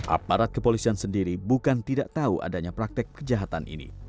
aparat kepolisian sendiri bukan tidak tahu adanya praktek kejahatan ini